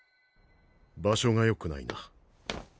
場所がよくないな。